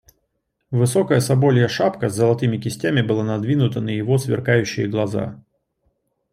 Высокая соболья шапка с золотыми кистями была надвинута на его сверкающие глаза.